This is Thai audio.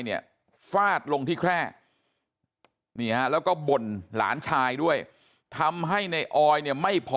เนี่ยฟาดลงที่แคร่แล้วก็บ่นหลานชายด้วยทำให้ในออยเนี่ยไม่พอ